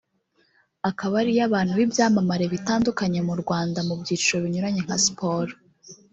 akaba aria bantu b’ibyamamare bitandukanye mu Rwanda mu byiciro binyuranye nka siporo